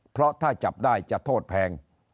เพราะถ้าจับได้จะโทษแพง